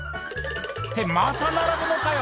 「ってまた並ぶのかよ！